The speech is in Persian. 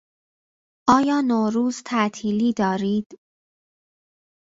آیا نوروز تعطیلی دارید؟